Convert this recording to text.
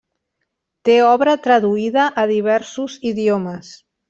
Té obra traduïda a diversos idiomes.